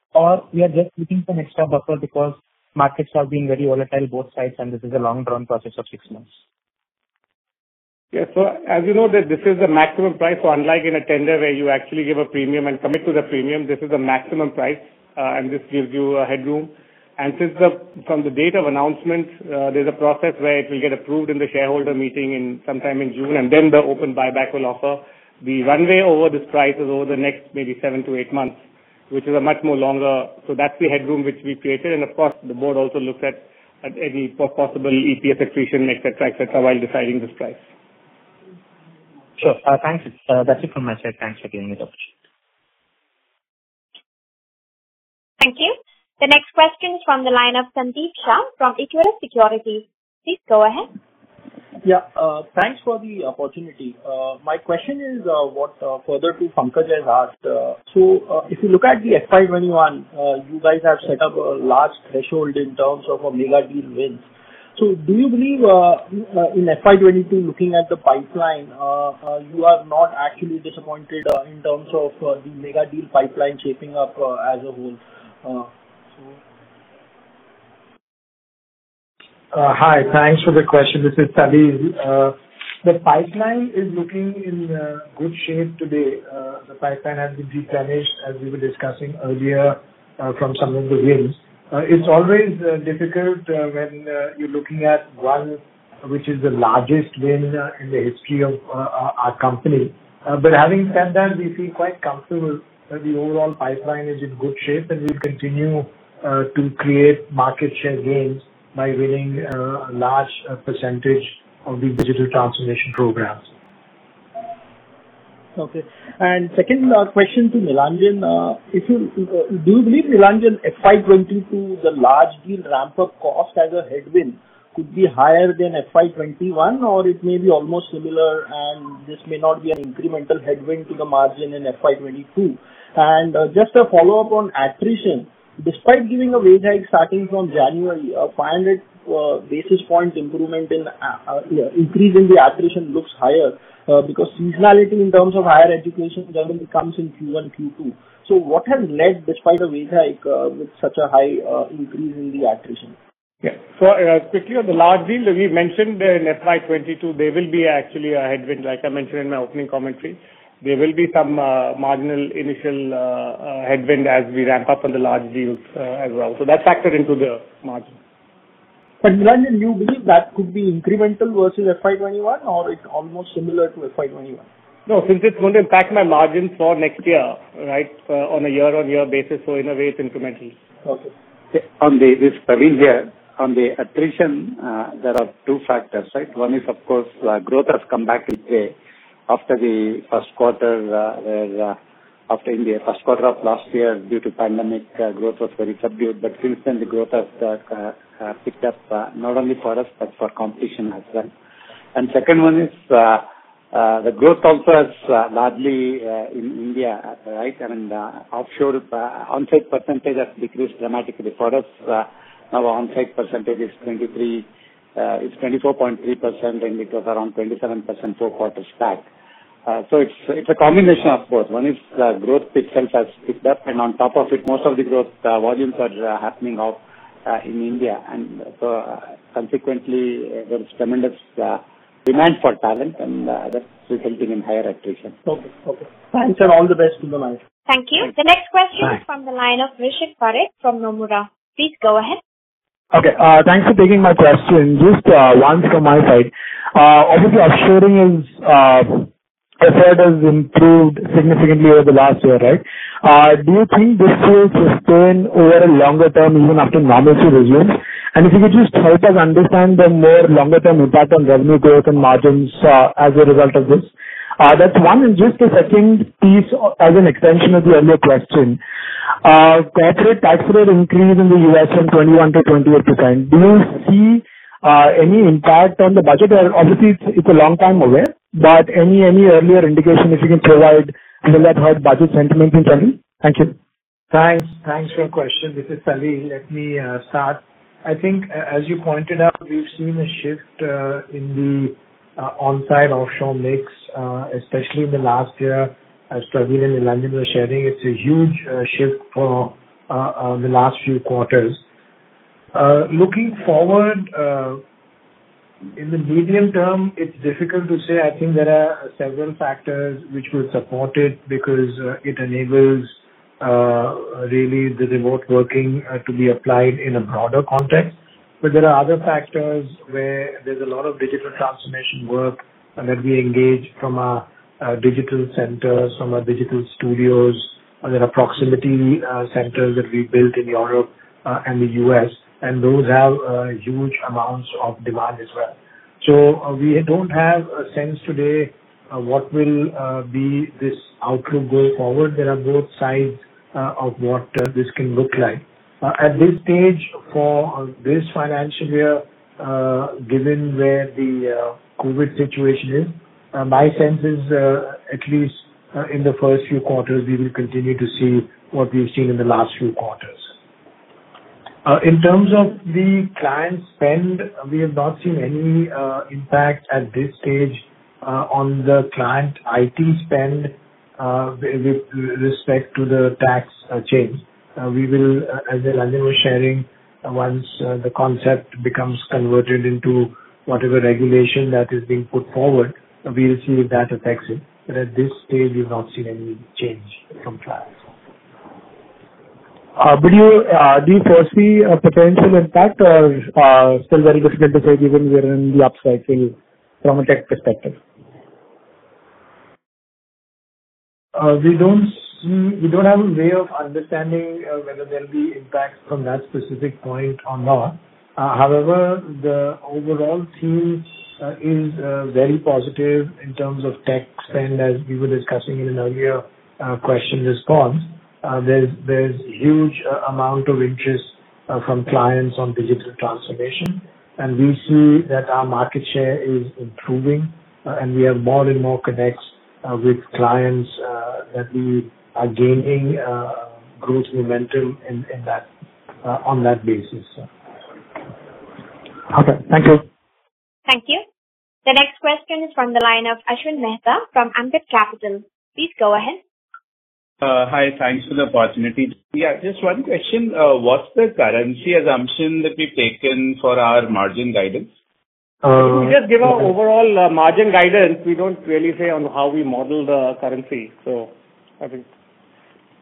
We are just looking for next stop buffer because markets are being very volatile both sides and this is a long-term process of six months? Yeah. As you know that this is the maximum price, unlike in a tender where you actually give a premium and commit to the premium, this is the maximum price. This gives you a headroom. From the date of announcement, there's a process where it will get approved in the shareholder meeting sometime in June. Then the open buyback will offer. The runway over this price is over the next maybe seven to eight months, which is a much more longer. That's the headroom which we created. Of course, the board also looked at any possible EPS accretion, et cetera, while deciding this price. Sure. Thanks. That's it from my side. Thanks for giving me the opportunity. Thank you. The next question is from the line of Sandeep Shah from Equirus Securities. Please go ahead. Yeah. Thanks for the opportunity. My question is what further to Pankaj has asked. If you look at the FY 2021, you guys have set up a large threshold in terms of mega deal wins. Do you believe, in FY 2022, looking at the pipeline, you are not actually disappointed in terms of the mega deal pipeline shaping up as a whole? Hi, thanks for the question. This is Salil. The pipeline is looking in good shape today. The pipeline has been replenished, as we were discussing earlier, from some of the wins. It's always difficult when you're looking at one which is the largest win in the history of our company. Having said that, we feel quite comfortable that the overall pipeline is in good shape, and we'll continue to create market share gains by winning a large percentage of the digital transformation programs. Okay. Second question to Nilanjan. Do you believe, Nilanjan, FY 2022, the large deal ramp-up cost as a headwind could be higher than FY 2021? It may be almost similar, and this may not be an incremental headwind to the margin in FY 2022? Just a follow-up on attrition. Despite giving a wage hike starting from January, 500 basis points increase in the attrition looks higher because seasonality in terms of higher education generally comes in Q1, Q2. What has led, despite the wage hike, with such a high increase in the attrition? Yeah. Quickly on the large deals, we mentioned in FY 2022, there will be actually a headwind, like I mentioned in my opening commentary. There will be some marginal initial headwind as we ramp up on the large deals as well. That factored into the margin. Nilanjan, do you believe that could be incremental versus FY 2021, or it's almost similar to FY 2021? No, since it's going to impact my margins for next year, on a year-on-year basis, so in a way, it's incremental. Okay. On this, this is Salil here. On the attrition, there are two factors. One is, of course, growth has come back after the first quarter of last year. Due to pandemic growth was very subdued, but since then the growth has picked up, not only for us, but for competition as well. Second one is, the growth also is largely in India. Offshore onsite percentage has decreased dramatically for us. Now onsite percentage is 24.3%, and it was around 27% four quarters back. It's a combination of both. One is the growth itself has picked up, and on top of it, most of the growth volumes are happening in India. Consequently, there is tremendous demand for talent and that's resulting in higher attrition. Okay. Thanks, all the best for the launch. Thank you. The next question is from the line of Rishit Parikh from Nomura. Please go ahead. Okay, thanks for taking my question. Just one from my side. Obviously offshoring as you said has improved significantly over the last year, right? If you could just help us understand the more longer-term impact on revenue growth and margins as a result of this. That's one. Just a second piece as an extension of the earlier question. Corporate tax rate increased in the U.S. from 21% to 28%. Do you see any impact on the budget? It's a long time away, but any earlier indication that you can provide, will that hurt budget sentiment in general? Thank you. Thanks for your question. This is Salil. Let me start. I think as you pointed out, we've seen a shift in the onsite-offshore mix, especially in the last year, as Pravin and Nilanjan were sharing. It's a huge shift for the last few quarters. Looking forward, in the medium term, it's difficult to say. I think there are several factors which will support it because it enables really the remote working to be applied in a broader context. There are other factors where there's a lot of digital transformation work that we engage from our digital centers, from our digital studios, and then our proximity centers that we built in Europe and the U.S., and those have huge amounts of demand as well. We don't have a sense today what will be this outlook going forward. There are both sides of what this can look like. At this stage for this financial year, given where the COVID situation is, my sense is, at least in the first few quarters, we will continue to see what we've seen in the last few quarters. In terms of the client spend, we have not seen any impact at this stage on the client IT spend with respect to the tax change. As Nilanjan was sharing, once the concept becomes converted into whatever regulation that is being put forward, we'll see if that affects it. At this stage, we've not seen any change from clients. Do you foresee a potential impact or still very difficult to say, given we're in the upcycling from a tech perspective? We don't have a way of understanding whether there'll be impacts from that specific point or not. However, the overall theme is very positive in terms of tech spend, as we were discussing in an earlier question response. There's huge amount of interest from clients on digital transformation, and we see that our market share is improving, and we have more and more connects with clients that we are gaining growth momentum on that basis. Okay, thank you. Thank you. The next question is from the line of Ashwin Mehta from Ambit Capital. Please go ahead. Hi. Thanks for the opportunity. Yeah, just one question. What's the currency assumption that we've taken for our margin guidance? We just give our overall margin guidance. We don't really say on how we model the currency. I think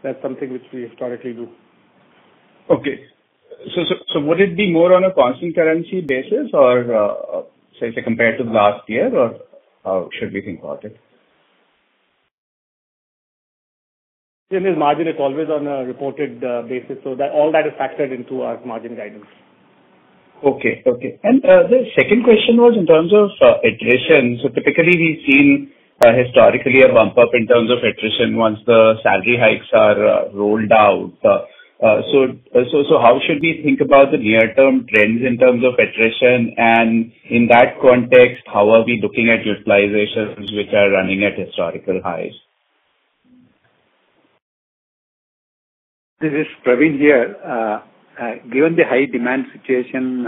that's something which we historically do. Okay. Would it be more on a constant currency basis or say, compared to last year, or how should we think about it? Margin is always on a reported basis. All that is factored into our margin guidance. Okay. The second question was in terms of attrition. Typically, we've seen historically a bump up in terms of attrition once the salary hikes are rolled out. How should we think about the near-term trends in terms of attrition? In that context, how are we looking at utilizations which are running at historical highs? This is Pravin here. Given the high demand situation,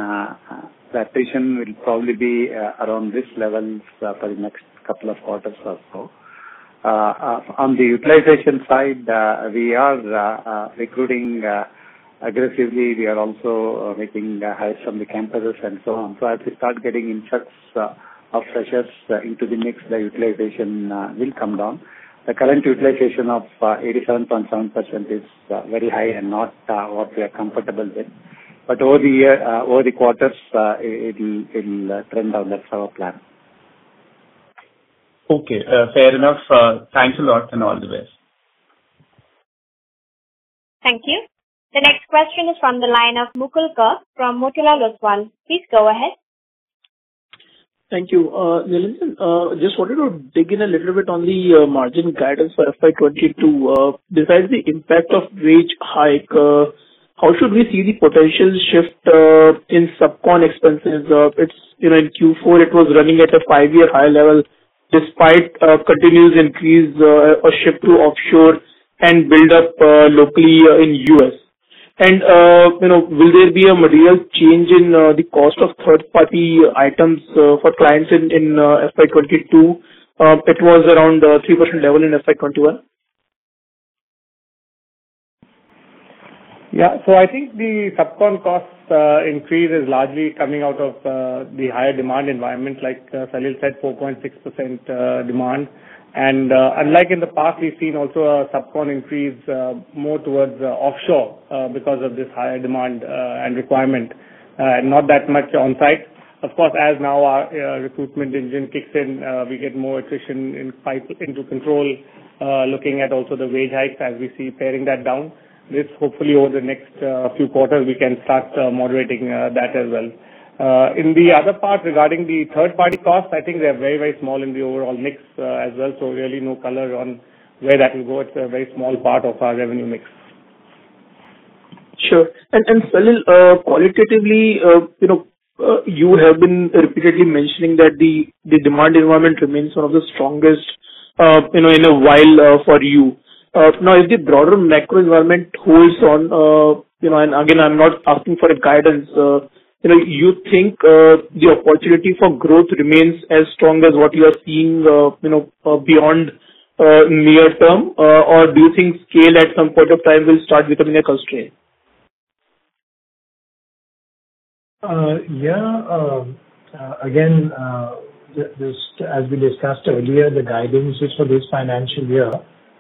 attrition will probably be around this level for the next couple of quarters or so. On the utilization side, we are recruiting aggressively. We are also making hires from the campuses and so on. As we start getting in such off freshers into the mix, the utilization will come down. The current utilization of 87.7% is very high and not what we are comfortable with. Over the quarters, it will trend down. That's our plan. Okay, fair enough. Thanks a lot. All the best. Thank you. The next question is from the line of Mukul Garg from Motilal Oswal. Please go ahead. Thank you. Just wanted to dig in a little bit on the margin guidance for FY 2022. Besides the impact of wage hike, how should we see the potential shift in subcon expenses? In Q4, it was running at a five-year high level despite continued increase or shift to offshore and build-up locally in U.S. Will there be a material change in the cost of third-party items for clients in FY 2022? It was around 3% level in FY 2021. Yeah. I think the subcon cost increase is largely coming out of the higher demand environment, like Salil said, 4.6% demand. Unlike in the past, we've seen also a subcon increase more towards offshore because of this higher demand and requirement, not that much on site. Of course, as now our recruitment engine kicks in, we get more attrition in pipe into control, looking at also the wage hikes as we see paring that down. This hopefully over the next few quarters, we can start moderating that as well. In the other part, regarding the third-party costs, I think they're very small in the overall mix as well. Really no color on where that will go. It's a very small part of our revenue mix. Sure. Salil, qualitatively, you have been repeatedly mentioning that the demand environment remains one of the strongest in a while for you. Now, if the broader macro environment holds on, and again, I'm not asking for a guidance, you think the opportunity for growth remains as strong as what you are seeing beyond near term? Or do you think scale at some point of time will start becoming a constraint? Yeah. Again, as we discussed earlier, the guidance is for this financial year.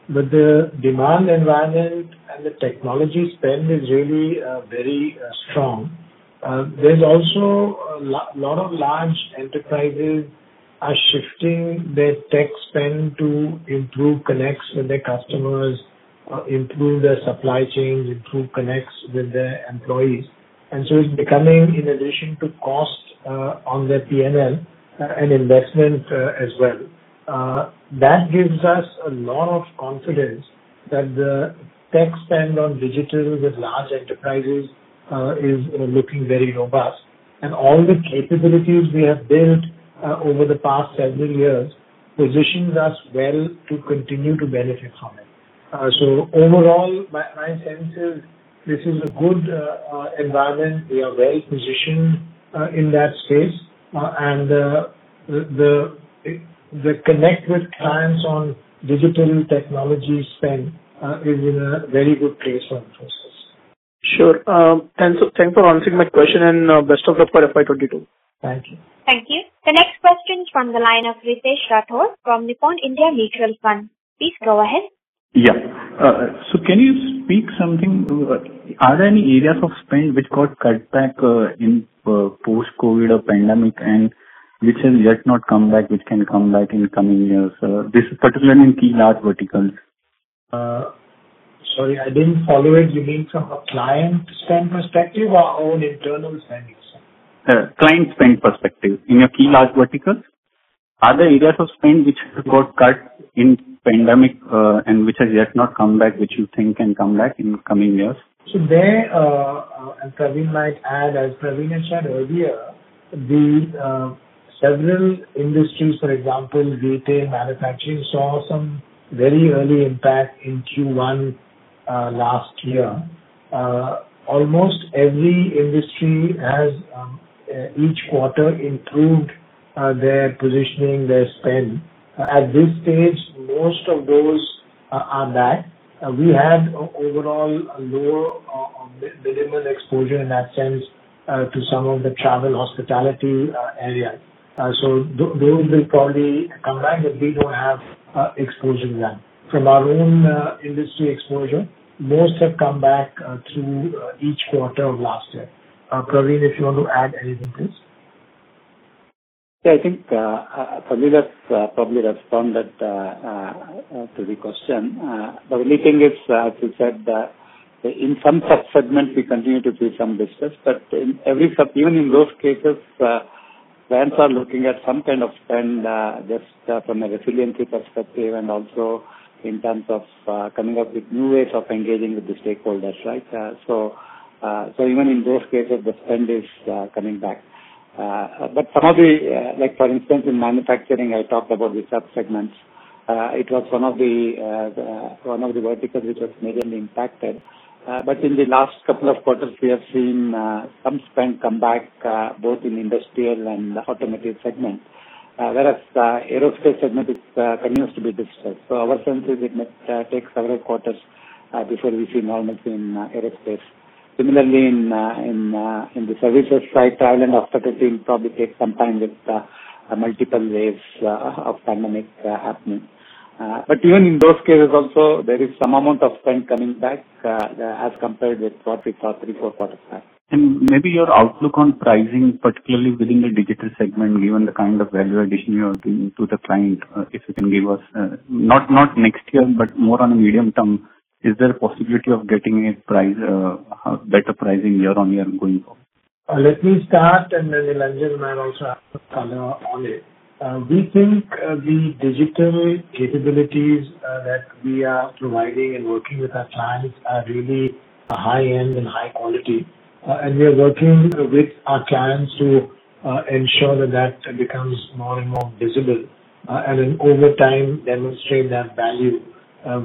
The demand environment and the technology spend is really very strong. There's also a lot of large enterprises are shifting their tech spend to improve connects with their customers, improve their supply chains, improve connects with their employees. It's becoming, in addition to cost on their PL, an investment as well. That gives us a lot of confidence that the tech spend on digital with large enterprises is looking very robust. All the capabilities we have built over the past several years positions us well to continue to benefit from it. Overall, my sense is this is a good environment. We are well-positioned in that space. The connect with clients on digital technology spend is in a very good place for Infosys. Sure. Thanks for answering my question and best of luck for FY 2022. Thank you. Thank you. The next question is from the line of Ritesh Rathod from Nippon India Mutual Fund. Please go ahead. Yeah. Can you speak something, are there any areas of spend which got cut back in post-COVID or pandemic and which has yet not come back, which can come back in coming years? This is particularly in key large verticals. Sorry, I didn't follow it. You mean from a client spend perspective or own internal spend perspective? Client spend perspective. In your key large verticals, are there areas of spend which got cut in pandemic, and which has yet not come back, which you think can come back in coming years? There, and Pravin might add, as Pravin had shared earlier, the several industries, for example, retail and manufacturing, saw some very early impact in Q1 last year. Almost every industry has each quarter improved their positioning, their spend. At this stage, most of those are back. We had overall a low or minimal exposure in that sense to some of the travel hospitality areas. Those will probably come back, but we don't have exposure to them. From our own industry exposure, most have come back through each quarter of last year. Pravin, if you want to add anything, please. Yeah, I think Salil has probably responded to the question. The only thing is, as you said, in some sub-segments we continue to see some distress. Even in those cases, clients are looking at some kind of spend, just from a resiliency perspective, and also in terms of coming up with new ways of engaging with the stakeholders, right? Even in those cases, the spend is coming back. Like for instance, in manufacturing, I talked about the sub-segments. It was one of the verticals which was majorly impacted. In the last couple of quarters, we have seen some spend come back, both in industrial and automotive segments. Whereas aerospace segment continues to be distressed. Our sense is it might take several quarters before we see normalcy in aerospace. Similarly, in the services side, travel and hospitality will probably take some time with multiple waves of pandemic happening. Even in those cases also, there is some amount of spend coming back as compared with what we saw three, four quarters back. Maybe your outlook on pricing, particularly within the digital segment, given the kind of value addition you are giving to the client, if you can give us, not next year, but more on a medium-term, is there a possibility of getting a better pricing year-on-year going forward? Let me start and then Nilanjan might also add his color on it. We think the digital capabilities that we are providing and working with our clients are really high-end and high quality. We are working with our clients to ensure that that becomes more and more visible. Over time demonstrate that value,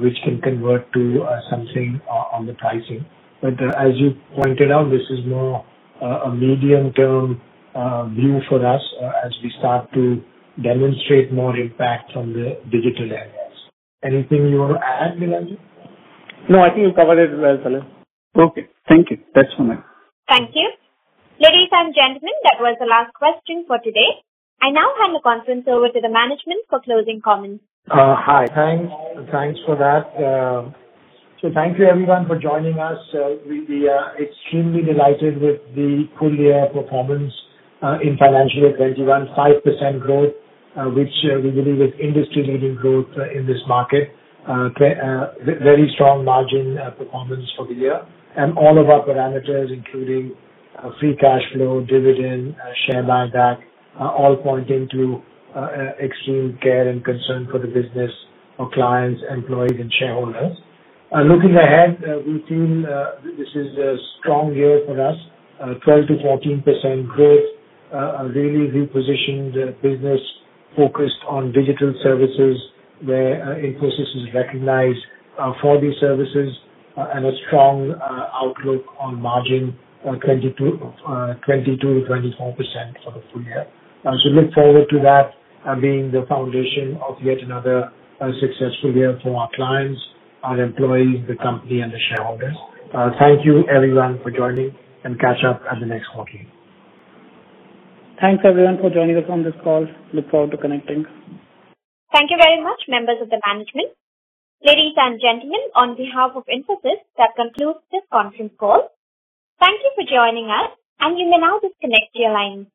which can convert to something on the pricing. As you pointed out, this is more a medium-term view for us as we start to demonstrate more impact on the digital areas. Anything you want to add, Nilanjan? No, I think you covered it well, Salil. Okay. Thank you. That's for now. Thank you. Ladies and gentlemen, that was the last question for today. I now hand the conference over to the management for closing comments. Hi. Thanks for that. Thank you everyone for joining us. We are extremely delighted with the full-year performance in FY 2021. 5% growth, which we believe is industry-leading growth in this market. Very strong margin performance for the year. All of our parameters, including free cash flow, dividend, share buyback are all pointing to extreme care and concern for the business, our clients, employees and shareholders. Looking ahead, we feel this is a strong year for us. 12%-14% growth, a really repositioned business focused on digital services where Infosys is recognized for these services. A strong outlook on margin of 22%-24% for the full year. Look forward to that being the foundation of yet another successful year for our clients, our employees, the company and the shareholders. Thank you everyone for joining, and catch up at the next quarter. Thanks everyone for joining us on this call. Look forward to connecting. Thank you very much, members of the management. Ladies and gentlemen, on behalf of Infosys, that concludes this conference call. Thank you for joining us, and you may now disconnect your lines.